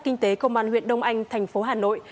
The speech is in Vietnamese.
kinh tế công an huyện đông anh thành phố hà nội